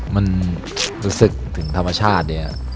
มันรู้สึกถึงธรรมชาติเนี่ย